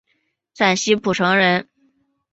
陕西蒲城人。